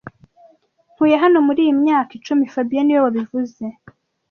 Ntuye hano muri iyi myaka icumi fabien niwe wabivuze